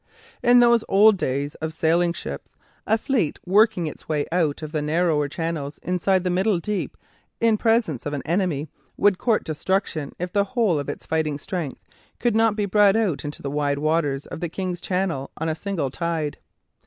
In those old days of sailing ships a fleet working its way out of the narrower channels inside the Middle Deep in presence of an enemy would court destruction if the whole of its fighting strength could not be brought out into the wide waters of the King's Channel on a single tide.